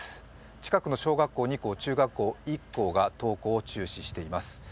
近くの小学校２校、中学校１校が登校を中止しています。